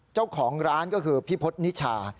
เจ้าของร้านก็คือพี่พฤษนิชา